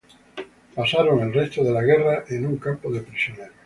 Pasaron el resto de la guerra en un campo de prisioneros.